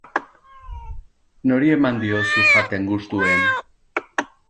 Nori eman diozu jaten gustuen?